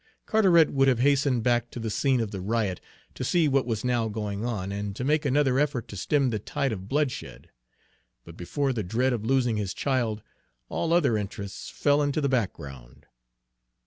Carteret would have hastened back to the scene of the riot, to see what was now going on, and to make another effort to stem the tide of bloodshed; but before the dread of losing his child, all other interests fell into the background.